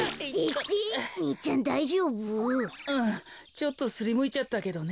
ちょっとすりむいちゃったけどね。